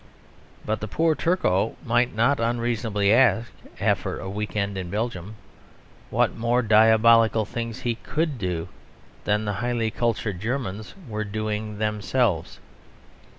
But the poor Turco might not unreasonably ask, after a weekend in Belgium, what more diabolical things he could do than the highly cultured Germans were doing themselves.